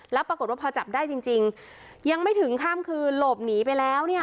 แล้วปรากฏว่าพอจับได้จริงยังไม่ถึงข้ามคืนหลบหนีไปแล้วเนี่ย